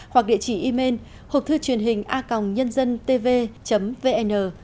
hoặc địa chỉ email hộpthư truyền hình a nh tv vn